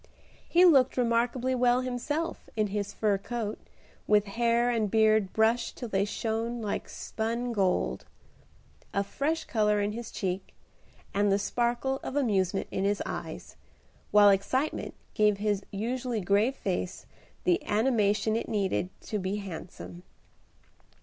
He looked remarkably well himself in his fur coat, with hair and beard brushed till they shone like spun gold, a fresh color in his cheek, and the sparkle of amusement in his eyes, while excitement gave his usually grave face the animation it needed to be handsome.